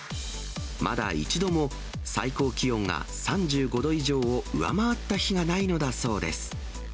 まだ一度も、最高気温が３５度以上を上回った日がないのだそうです。